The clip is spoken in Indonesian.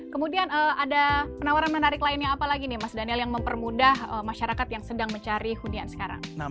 kemudian ada penawaran menarik lainnya apa lagi nih mas daniel yang mempermudah masyarakat yang sedang mencari hunian sekarang